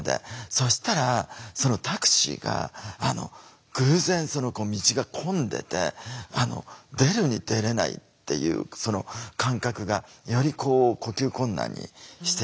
そしたらそのタクシーが偶然道が混んでて出るに出れないっていうその感覚がよりこう呼吸困難にしていくわけですよね。